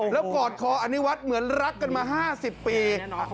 แล้วกอดคออนิวัฒน์เหมือนรักกันมา๕๐ปี